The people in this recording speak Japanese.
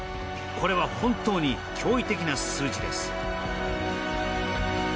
これは本当に驚異的な数字です。